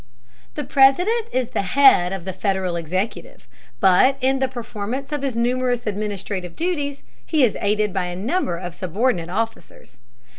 The President is the head of the Federal executive, but in the performance of his numerous administrative duties he is aided by a number of subordinate officers.